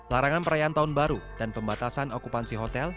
larangan perayaan tahun baru dan pembatasan okupansi hotel